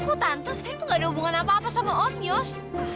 kok tante saya tuh gak ada hubungan apa apa sama om yus